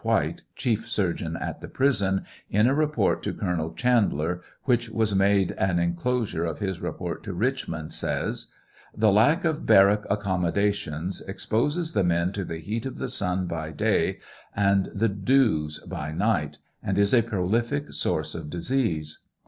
White, chief surgeon at the prison , in a report to Colonel Chandler, which was made an enclosure of his report to Richmond, says : The lack of barrack accommodations exposes the men to the heat of the sun by day and the dews by night, and is a prolific source of disease.